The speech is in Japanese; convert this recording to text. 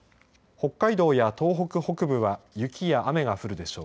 北海道や東北北部は雪や雨が降るでしょう。